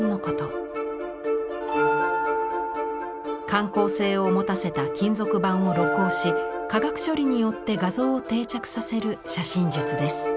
感光性をもたせた金属板を露光し化学処理によって画像を定着させる写真術です。